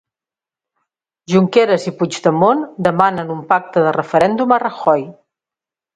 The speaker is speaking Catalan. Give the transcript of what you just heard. Junqueras i Puigdemont demanen un pacte de referèndum a Rajoy.